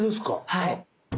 はい。